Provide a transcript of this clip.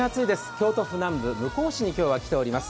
京都府南部・向日市に今日は来ております。